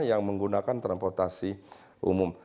yang menggunakan transportasi umum